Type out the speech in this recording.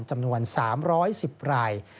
จำนวน๓๑๐ราย